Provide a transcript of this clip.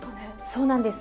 そうなんです。